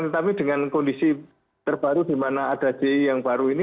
tetapi dengan kondisi terbaru di mana ada j yang baru ini